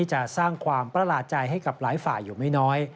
จะสร้างความประหลาดใจให้กับหลายฝ่ายอยู่ไม่น้อย